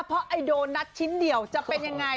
เพราะไอโดนัทชิ้นเดียวจะเป็นยังไง